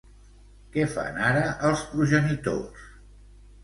Què fan ara els progenitors?